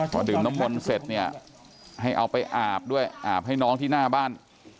พอดื่มน้ำมนต์เสร็จเนี่ยให้เอาไปอาบด้วยอาบให้น้องที่หน้าบ้าน